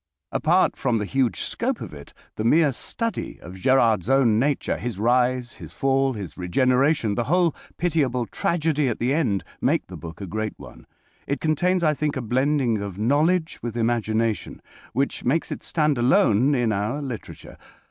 Apart from the huge scope of it, the mere study of Gerard's own nature, his rise, his fall, his regeneration, the whole pitiable tragedy at the end, make the book a great one. It contains, I think, a blending of knowledge with imagination, which makes it stand alone in our literature.